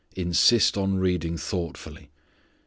Insist on reading thoughtfully.